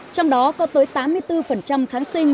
trong đó có tới tám mươi bốn kháng sinh